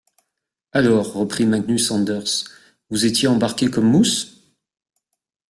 Alors, reprit Magnus Anders, vous étiez embarqué comme mousse?...